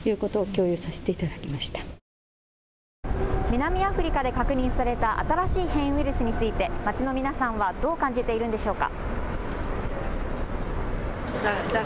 南アフリカで確認された新しい変異ウイルスについて街の皆さんは、どう感じているんでしょうか。